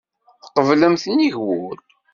Tqeblemt nnig wul.